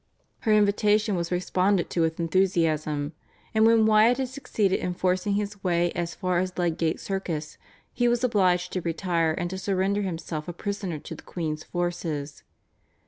Her invitation was responded to with enthusiasm, and when Wyatt had succeeded in forcing his way as far as Ludgate Circus, he was obliged to retire and to surrender himself a prisoner to the queen's forces.